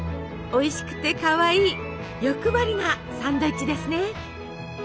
おいしくてかわいい欲張りなサンドイッチですね。